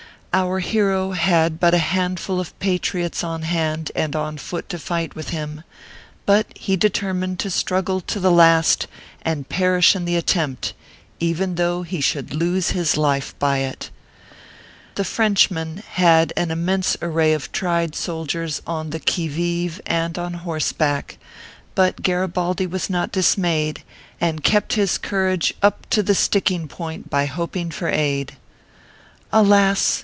Our hero had but a handful of patriots on hand and on foot to fight with him ; but he determined to struggle to the last and perish in the attempt, even though he should lose his life by it. The Frenchman had an immense array of tried soldiers on the qui vive and on horseback ; but Garibaldi was not dismayed, and kept his courage up to the " sticking" point by hoping for aid. Alas